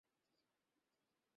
চল, আমি তোমার সাথে আছি।